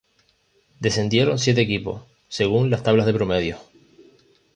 Descendieron siete equipos, según las tablas de promedios.